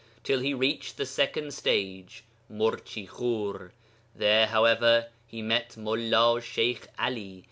till he reached the second stage, Murchi Khur. There, however, he met Mullā Sheykh Ali...